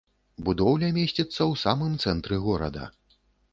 Будоўля месціцца ў самым цэнтры горада.